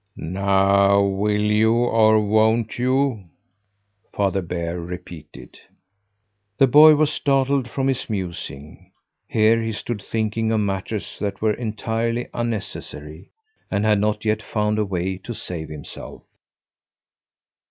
"Now will you or won't you?" Father Bear repeated. The boy was startled from his musing. Here he stood thinking of matters that were entirely unnecessary, and had not yet found a way to save himself!